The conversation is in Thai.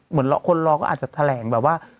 เหมือนคนรอก็อาจจะแถลงแบบว่า